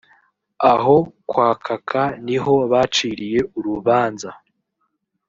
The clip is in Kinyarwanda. aho kwa kaka ni ho baciriye urubanza